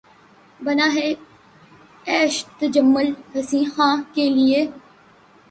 بنا ہے عیش تجمل حسین خاں کے لیے